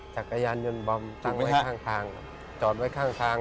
จักรยานยนต์บอมจอดไว้ข้าง